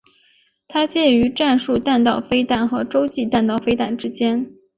它介于战术弹道飞弹和洲际弹道飞弹之间。